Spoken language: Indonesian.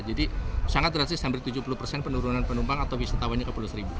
jadi sangat rasis hampir tujuh puluh persen penurunan penumpang atau wisatawannya ke sepuluh